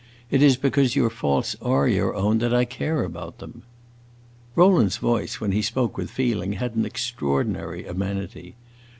"It is because your faults are your own that I care about them." Rowland's voice, when he spoke with feeling, had an extraordinary amenity.